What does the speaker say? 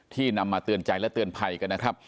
นำมาเตือนใจและเตือนภัยกันนะครับ